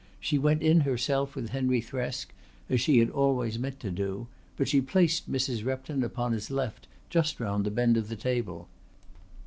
She went in herself with Henry Thresk, as she had always meant to do, but she placed Mrs. Repton upon his left just round the bend of the table.